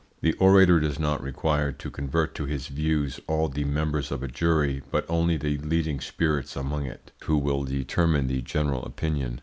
The orator does not require to convert to his views all the members of a jury, but only the leading spirits among it who will determine the general opinion.